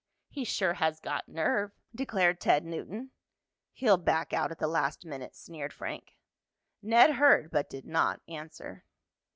"He sure has got nerve," declared Ted Newton. "He'll back out at the last minute," sneered Frank. Ned heard but did not answer.